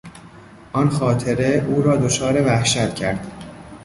آن خاطره او را دچار وحشت کرد.